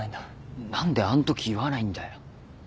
何であんとき言わないんだよ。